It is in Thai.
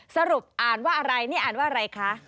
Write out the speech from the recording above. สรุปอ่านว่าอะไรนี่อ่านว่าอะไรคะ